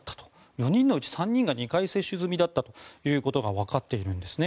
４人のうち３人が２回接種済みだったということがわかっているんですね。